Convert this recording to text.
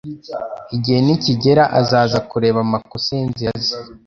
Igihe nikigera azaza kureba amakosa yinzira ze.